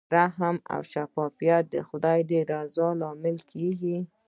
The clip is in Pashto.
رحم او شفقت د خدای د رضا لامل کیږي.